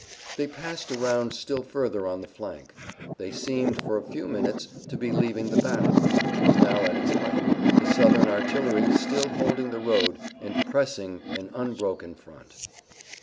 They passed around still further on the flank. They seemed, for a few minutes, to be leaving the battle, which was now at its height, the Southern artillery still holding the road and presenting an unbroken front.